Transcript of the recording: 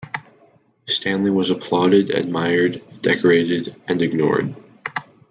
Stanley was applauded, admired, decorated-and ignored.